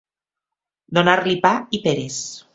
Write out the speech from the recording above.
Donar-li pa i peres.